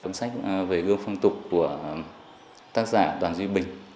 cuốn sách về gương phong tục của tác giả đoàn duy bình